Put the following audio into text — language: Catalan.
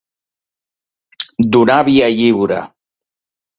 Donar via lliure.